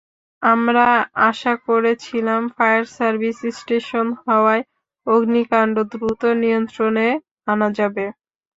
আমরা আশা করেছিলাম, ফায়ার সার্ভিস স্টেশন হওয়ায় অগ্নিকাণ্ড দ্রুত নিয়ন্ত্রণে আনা যাবে।